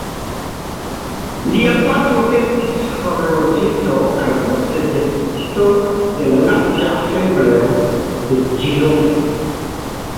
Lia patro estis horloĝisto kaj poste deputito de la Nacia Asembleo de Ĝenovo.